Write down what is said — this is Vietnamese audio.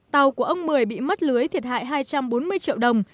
tàu của ông mười bị mất lưới thiệt hại hai trăm bốn mươi triệu đồng